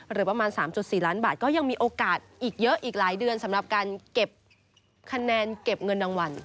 หรือประมาณ๓๔ล้านบาทก็ยังมีโอกาสอีกเยอะอีกหลายเดือนสำหรับการเก็บคะแนนเก็บเงินรางวัล